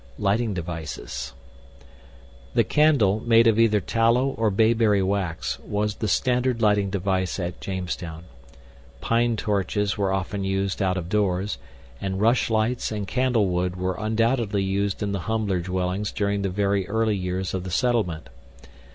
LIGHTING DEVICES The candle, made of either tallow or bayberry wax, was the standard lighting device at Jamestown. Pine torches were often used out of doors, and rushlights and candlewood were undoubtedly used in the humbler dwellings during the very early years of the settlement.